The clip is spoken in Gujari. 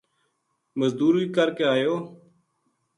مزدوری کر کے آیو